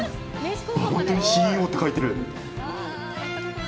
あっ本当にＣＥＯって書いてる！